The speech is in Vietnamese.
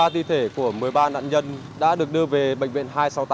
ba thi thể của một mươi ba nạn nhân đã được đưa về bệnh viện hai trăm sáu mươi tám